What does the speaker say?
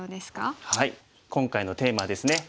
今回のテーマですね